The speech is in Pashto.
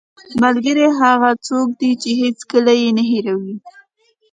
ملګری هغه څوک دی چې هېڅکله یې نه هېروې